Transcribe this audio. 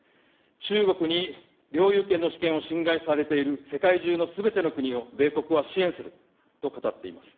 中国に領有権の主権を侵害されている世界中のすべての国を米国は支援すると語っています。